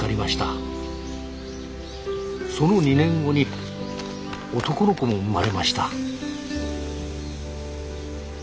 その２年後に男の子も生まれました。